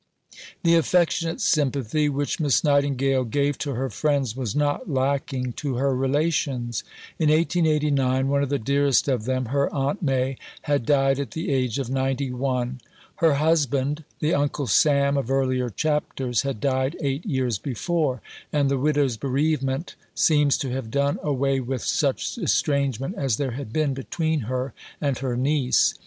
II The affectionate sympathy which Miss Nightingale gave to her friends was not lacking to her relations. In 1889 one of the dearest of them, her "Aunt Mai," had died at the age of 91. Her husband, the "Uncle Sam" of earlier chapters, had died eight years before; and the widow's bereavement seems to have done away with such estrangement as there had been between her and her niece.